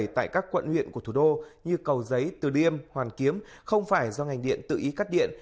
tại các quận huyện của thủ đô như cầu giấy tờ điêm hoàn kiếm không phải do ngành điện tự ý cắt điện